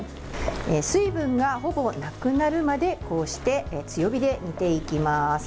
水分がほぼなくなるまでこうして強火で煮ていきます。